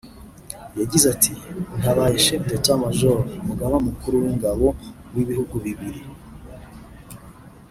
yagize ati “Nabaye Chef d’état Major (Umugaba Mukuru w’Ingabo) w’ibihugu bibiri